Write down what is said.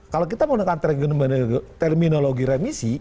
kalau kita menggunakan terminologi remisi